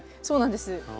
そうなんです。